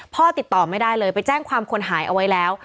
ติดต่อไม่ได้เลยไปแจ้งความคนหายเอาไว้แล้ว